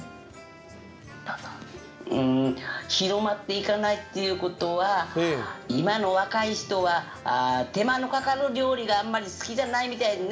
うーん広まっていかないっていうことは今の若い人は手間のかかる料理があんまり好きじゃないみたいね。